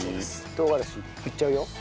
唐辛子いっちゃうよ。